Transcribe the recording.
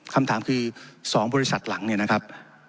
คำถามคือ๒บริษัทหลังเนี่ยนะครับ